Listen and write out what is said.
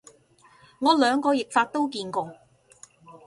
我兩個譯法都見過